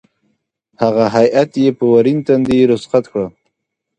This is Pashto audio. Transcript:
هغه هېئت یې په ورین تندي رخصت کړ.